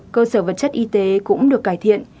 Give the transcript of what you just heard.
cơ sở vật chất y tế cũng được cải thiện